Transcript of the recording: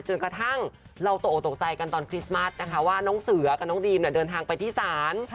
กระทั่งเราตกออกตกใจกันตอนคริสต์มัสนะคะว่าน้องเสือกับน้องดีมเดินทางไปที่ศาล